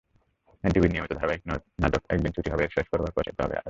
এনটিভির নিয়মিত ধারাবাহিক নাটক একদিন ছুটি হবে-এর শেষ পর্ব প্রচারিত হবে আজ।